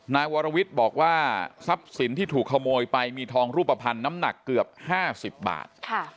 นายวรวิทย์บอกว่าทรัพย์สินที่ถูกขโมยไปมีทองรูปภัณฑ์น้ำหนักเกือบ๕๐บาท